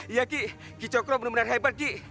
iya ki kicokro benar benar hebat ki